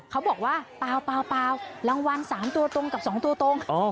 เขาบอกว่าเปล่ารางวัล๓ตัวตรงกับ๒ตัวตรง